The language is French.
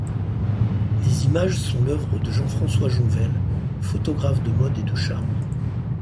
Les images sont l'œuvre de Jean-François Jonvelle, photographe de mode et de charme.